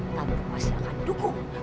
tante pasti akan dukung